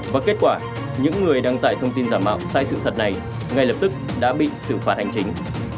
và kết quả những người đăng tải thông tin giả mạo sai sự thật này ngay lập tức đã bị xử phạt hành chính